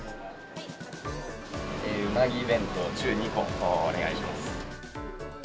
うなぎ弁当、中２個お願いします。